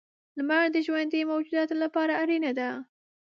• لمر د ژوندي موجوداتو لپاره اړینه دی.